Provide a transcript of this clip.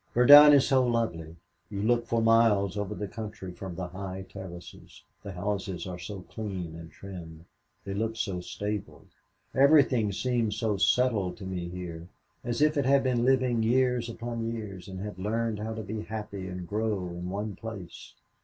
"Verdun is so lovely. You look for miles over the country from the high terraces the houses are so clean and trim. They look so stable everything seems so settled to me here as if it had been living years upon years and had learned how to be happy and grow in one place.